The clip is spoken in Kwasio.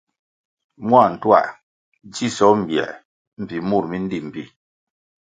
Mua ntuā dzisoh mbiē mbpi mur mi ndí mbpí.